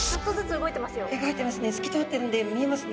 動いてますね。